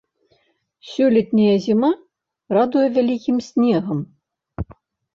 Сёлетняя зіма радуе вялікім снегам.